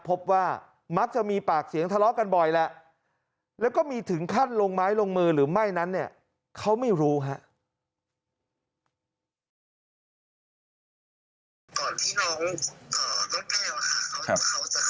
พบว่ามักจะมีปากเสียงทะเลาะกันบ่อยแหละแล้วก็มีถึงขั้นลงไม้ลงมือหรือไม่นั้นเนี่ยเขาไม่รู้ครับ